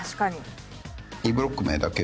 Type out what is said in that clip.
Ｂブロック目だけ？